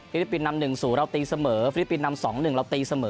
ฟิลิปปินนำ๑สู่เราตีเสมอฟิลิปปินนำ๒เราตีเสมอ